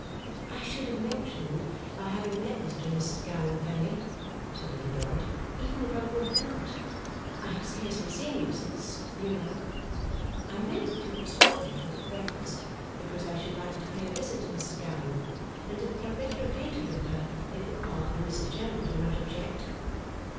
'I should have mentioned our having met Mr and Mrs Gowan, Fanny,' said Little Dorrit, 'even if Uncle had not. I have scarcely seen you since, you know. I meant to have spoken of it at breakfast; because I should like to pay a visit to Mrs Gowan, and to become better acquainted with her, if Papa and Mrs General do not object.